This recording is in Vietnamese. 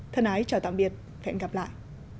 thân ái chào tạm biệt hẹn gặp lại